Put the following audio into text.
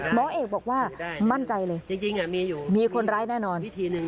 หมอเอกบอกว่ามั่นใจเลยมีคนร้ายแน่นอน